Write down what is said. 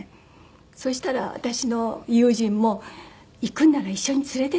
そしたら私の友人も「行くなら一緒に連れていってね」